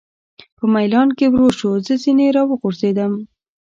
په مېلان کې ورو شو، زه ځنې را وغورځېدم.